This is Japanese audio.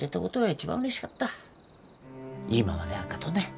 今まであっがとね。